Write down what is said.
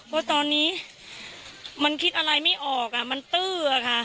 เพราะตอนนี้มันคิดอะไรไม่ออกมันตื้อค่ะ